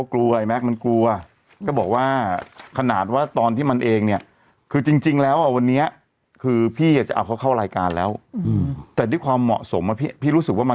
เขาไม่มีให้แทงเลยแม่อืม